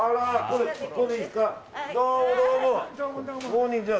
こんにちは。